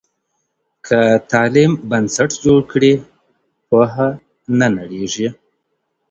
که تعلیم بنسټ جوړ کړي، پوهه نه نړېږي.